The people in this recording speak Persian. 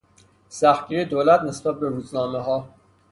سختگیری دولت نسبت به روزنامهها